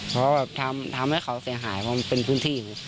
เพราะว่าเนี่ยทำให้เขาเสียหายมามันเป็นพื้นที่